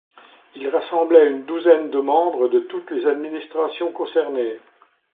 Il rassemblait une douzaine de membres de toutes les administrations concernées.